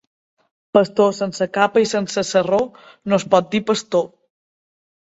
Pastor sense capa i sense sarró no es pot dir pastor.